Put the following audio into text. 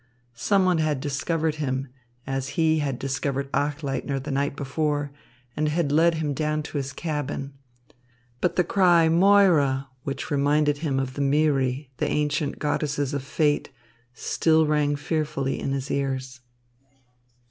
Someone had discovered him, as he had discovered Achleitner the night before, and had led him down to his cabin. But the cry "Moira!" which reminded him of the Moeræ, the ancient goddesses of fate, still rang fearfully in his ears.